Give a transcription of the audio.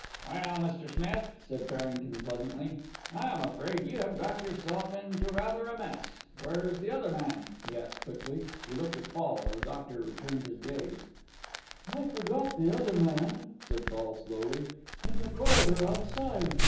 "Well, Mr. Smith," said Farrington pleasantly, "I am afraid you have got yourself into rather a mess. Where is the other man?" he asked quickly. He looked at Fall, and the doctor returned his gaze. "I forgot the other man," said Fall slowly; "in the corridor outside."